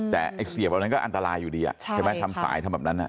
แต่ไอ้เสียบแบบนั้นก็อันตรายอยู่ดีใช่ไหมทำสายทำแบบนั้น